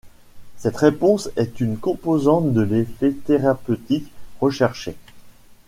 Cette réponse est une composante de l'effet thérapeutique recherché.